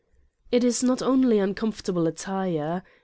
It is not only uncomfortable attire.